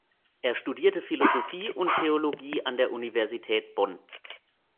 Er studierte Philosophie und Theologie an der Universität Bonn.